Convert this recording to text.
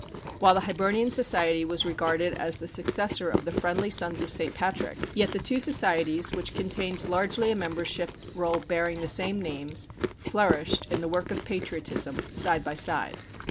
While the Hibernian Society was regarded as the successor of the Friendly Sons of St. Patrick, yet the two societies, which contained largely a membership roll bearing the same names, flourished, in the work of patriotism, side by side.